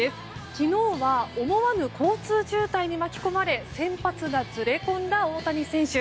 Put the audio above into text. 昨日は思わぬ交通渋滞に巻き込まれ先発がずれ込んだ大谷選手。